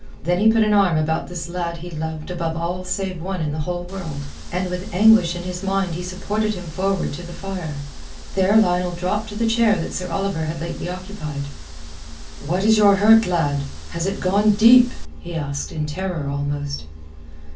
Then he put an arm about this lad he loved above all save one in the whole world, and with anguish in his mind he supported him forward to the fire. There Lionel dropped to the chair that Sir Oliver had lately occupied. "What is your hurt, lad? Has it gone deep?" he asked, in terror almost.